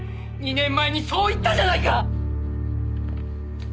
２年前にそう言ったじゃないか！